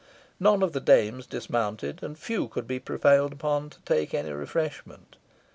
None of the dames dismounted, and few could be prevailed upon to take any refreshment.